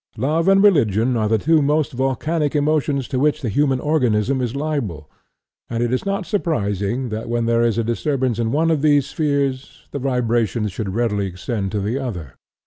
Love and religion are the two most volcanic emotions to which the human organism is liable, and it is not surprising that, when there is a disturbance in one of these spheres, the vibrations should readily extend to the other.